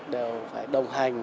đều phải đồng hành